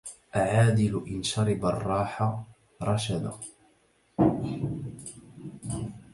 أعاذل إن شرب الراح رشد